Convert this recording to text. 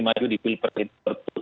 maju di pilpres itu berikut